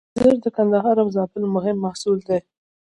انځر د کندهار او زابل مهم محصول دی.